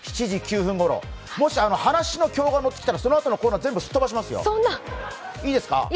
７時９分ごろ、もし、話の興がのってきたら、そのあとのコーナー全部すっ飛ばしますよ、いいですか？